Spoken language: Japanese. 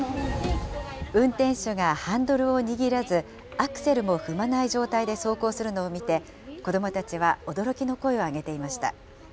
運転手がハンドルを握らず、アクセルも踏まない状態で走行するのを見て、子どもたちは驚きの声を上げていました。